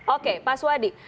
oke pak suhadi